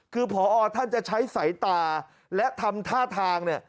คือพอท่านจะใช้สายตาและทำท่าทางเนี่ย